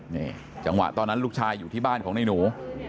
นี่จังหวะตอนนั้นลูกชายอยู่ที่บ้านของในหนู